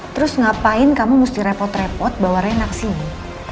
terus ngapain kamu mesti repot repot bawa rena kesini